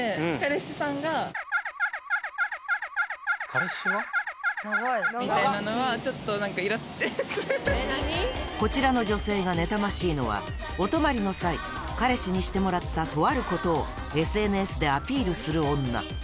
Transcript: それではここでこちらの女性が妬ましいのはお泊まりの際彼氏にしてもらったとあることをＳＮＳでアピールする女